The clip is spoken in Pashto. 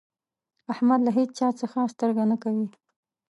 احمد له هيچا څځه سترګه نه کوي.